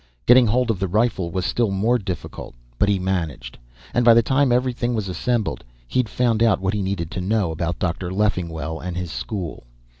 Getting hold of the rifle was still more difficult, but he managed. And by the time everything was assembled, he'd found out what he needed to know about Dr. Leffingwell and his school.